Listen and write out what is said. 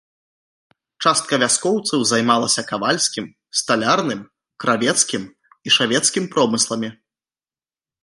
Частка вяскоўцаў займалася кавальскім, сталярным, кравецкім і шавецкім промысламі.